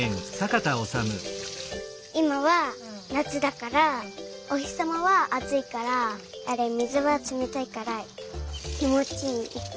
いまはなつだからおひさまはあついから水がつめたいからきもちいい。